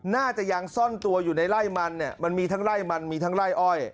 น่าจะยังซ่อนตัวอยู่ในไล่มันเนี่ยมันมีทั้งไล่มันมีทั้งไล่อ้อย